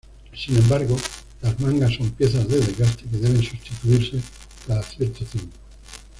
Sin embargo las mangas son piezas de desgaste que deben sustituirse cada cierto tiempo.